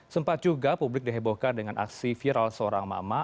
sempat juga publik dihebohkan dengan aksi viral seorang mama